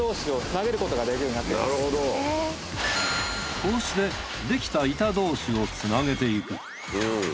こうして出来た板同士を繋げていく。